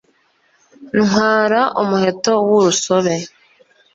ntwara umuheto w'urusobe.